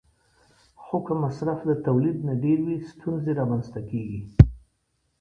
خو که مصرف د تولید نه ډېر وي، ستونزې رامنځته کېږي.